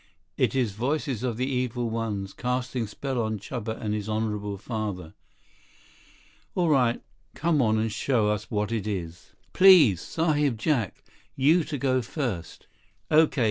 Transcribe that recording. It is voices of the evil ones, casting spell on Chuba and his honorable father." "All right. Come on and show us what it is." "Please, Sahib Jack. You to go first." "Okay.